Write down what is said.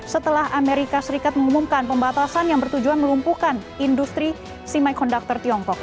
setelah amerika serikat mengumumkan pembatasan yang bertujuan melumpuhkan industri si mchonductor tiongkok